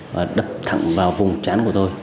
và đập thẳng vào vùng chán của tôi